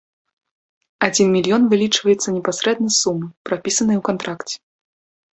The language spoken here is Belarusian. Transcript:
Адзін мільён вылічваецца непасрэдна з сумы, прапісанай у кантракце.